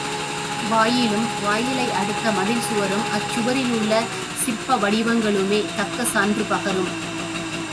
வாயிலும் வாயிலை அடுத்த மதில் சுவரும் அச்சுவரில் உள்ள சிற்ப வடிவங்களுமே தக்க சான்று பகரும்.